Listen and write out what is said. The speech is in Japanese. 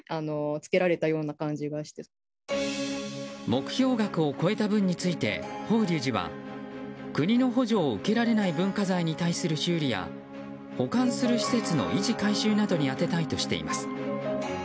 目標額を超えた分について法隆寺は国の補助が受けられない文化財に対する修理や保管する施設の維持改修などに充てたいとしています。